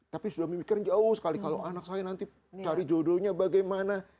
tapi sudah memikir jauh sekali kalau anak saya nanti cari jodohnya bagaimana